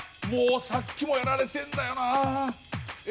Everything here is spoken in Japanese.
もうさっきもやられてるんだよな。